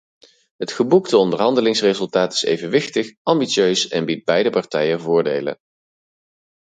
Het geboekte onderhandelingsresultaat is evenwichtig, ambitieus en biedt beide partijen voordelen.